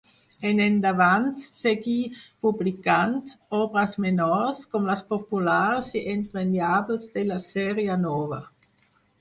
En endavant seguí publicant obres menors, com les populars i entranyables de la Sèrie Nova.